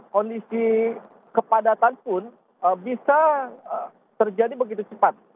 kondisi kepadatan pun bisa terjadi begitu cepat